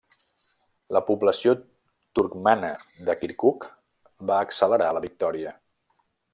La població turcmana de Kirkuk, va celebrar la victòria.